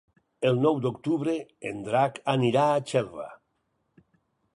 El nou d'octubre en Drac anirà a Xelva.